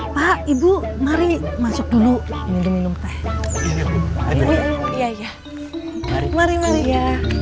pak ibu mari masuk dulu minum minum teh iya iya iya mari ya